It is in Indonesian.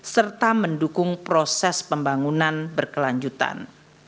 serta mendukung proses pembangunan berkelanjutan